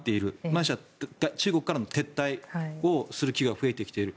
ないしは中国からの撤退をする企業が増えてきている。